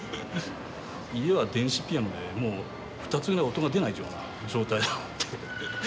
家は電子ピアノでもう２つぐらい音が出ないような状態なので。